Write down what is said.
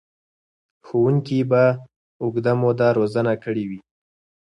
ښوونکي به اوږده موده روزنه کړې وي.